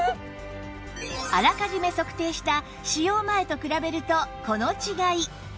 あらかじめ測定した使用前と比べるとこの違い